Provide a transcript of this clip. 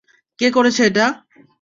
কে করেছে এটা?